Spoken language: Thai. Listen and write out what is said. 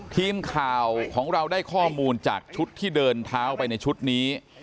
ทีมข่าวของเราได้ข้อมูลจากชุดที่เดินเท้าไปในชุดนี้